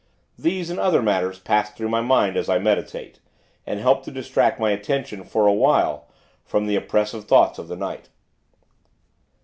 These and other matters pass through my mind, as I meditate; and help to distract my attention, for a while, from the oppressive thoughts of the night.